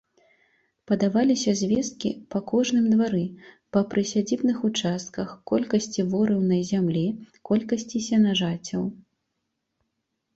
Падаваліся звесткі па кожным двары, па прысядзібных участках, колькасці ворыўнай зямлі, колькасці сенажацяў.